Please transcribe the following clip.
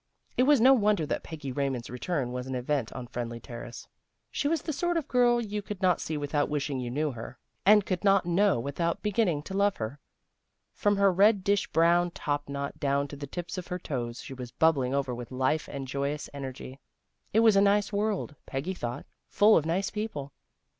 It was no wonder that Peggy Raymond's return was an event on Friendly Terrace. She was the sort of girl you could not see without wishing you knew her, and could not know 8 THE GIRLS OF FRIENDLY TERRACE without beginning to love her. From her red dish brown top knot down to the tips of her toes she was bubbling over with life and joyous energy. It was a nice world, Peggy thought, full of nice people.